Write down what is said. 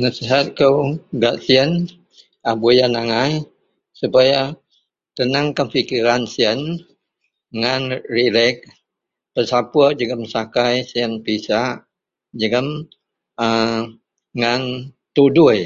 Nasihat kou gak siyen a buyen angai dupays tenangkan pikiran siyen ngan relek besapur jegem sakai siyen pisak jegem a ngan tudoi.